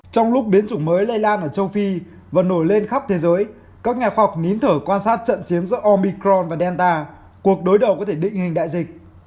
trong lúc biến chủng mới lây lan ở châu phi và nổi lên khắp thế giới các nhà khoa học nín thở quan sát trận chiến giữa omicron và delta cuộc đối đầu có thể định hình đại dịch